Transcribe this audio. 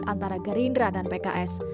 antara gerindra dan pks